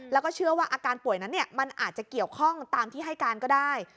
แล้วก็เชื่อว่าอาการป่วยนั้นมันอาจจะเกี่ยวข้องตามที่ให้การก็ได้